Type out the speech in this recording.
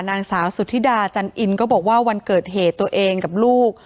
นางสาวสุธิดาจันอินก็บอกว่าวันเกิดเหตุตัวเองกับลูก